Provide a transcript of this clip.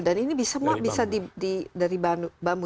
dan ini semua bisa dibeli dari bambu